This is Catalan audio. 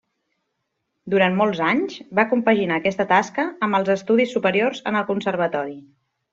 Durant molts anys, va compaginar aquesta tasca amb els estudis superiors en el conservatori.